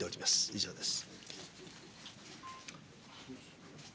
以上です。